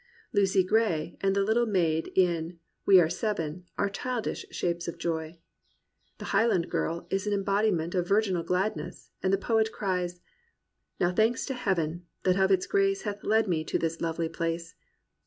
LiLcy Gray and the Kttle maid in We are Seven are childish shapes of joy. The Highland Girl is an embodiment of virginal gladness, and the poet cries " Now thanks to Heaven ! that of its grace Hath led me to this lovely place.